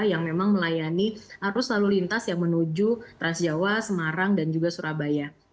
yang memang melayani arus lalu lintas yang menuju transjawa semarang dan juga surabaya